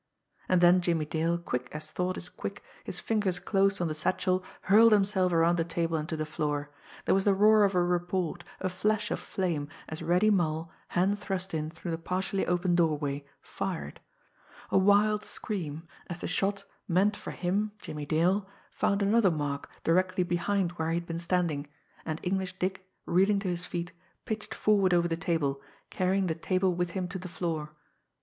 And then Jimmie Dale, quick as thought is quick, his fingers closed on the satchel, hurled himself around the table and to the floor. There was the roar of a report, a flash of flame, as Reddy Mull, hand thrust in through the partially open doorway, fired a wild scream, as the shot, meant for him, Jimmie Dale, found another mark directly behind where he had been standing and English Dick, reeling to his feet, pitched forward over the table, carrying the table with him to the floor.